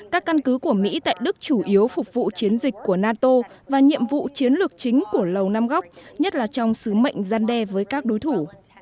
các căn cứ của mỹ tại đức chủ yếu phục vụ chiến dịch của nato và nhiệm vụ chiến lược chính của lầu nam góc nhất là trong sứ mệnh gian đe với các đối thủ